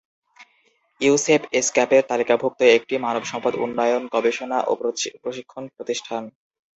ইউসেপ এসক্যাপের তালিকাভুক্ত একটি মানবসম্পদ উন্নয়ন, গবেষণা ও প্রশিক্ষণ প্রতিষ্ঠান।